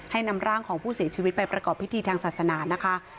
นำร่างของผู้เสียชีวิตไปประกอบพิธีทางศาสนานะคะ